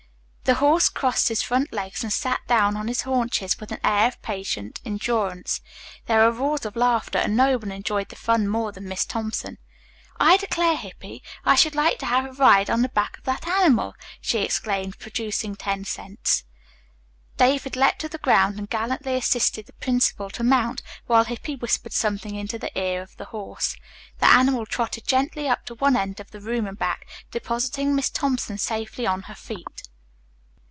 The horse crossed his front legs and sat down on his haunches with an air of patient endurance. There were roars of laughter and no one enjoyed the fun more than Miss Thompson. "I declare, Hippy, I should like to have a ride on the back of that animal!" she exclaimed, producing ten cents. David leaped to the ground and gallantly assisted the principal to mount, while Hippy whispered something into the ear of the horse. The animal trotted gently up to one end of the room and back, depositing Miss Thompson safely on her feet.